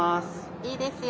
いいですよ。